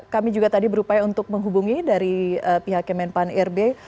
kami juga tadi berupaya untuk menghubungi dari pihak kemenpan irb